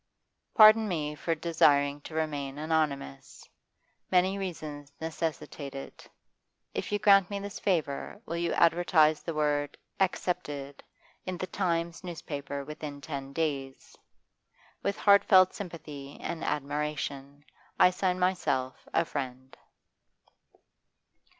Pardon me for desiring to remain anonymous; many reasons necessitate it. If you grant me this favour, will you advertise the word "Accepted" in the "Times" newspaper within ten days? 'With heartfelt sympathy and admiration, 'I sign myself, 'A FRIEND.